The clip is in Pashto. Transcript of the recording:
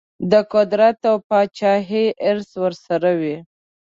د قدرت او پاچهي حرص ورسره وي.